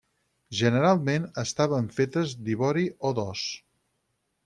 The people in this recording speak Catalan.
Generalment estaven fetes d'ivori o d'os.